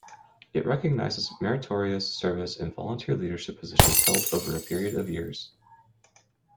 It recognizes meritorious service in volunteer leadership positions held over a period of years.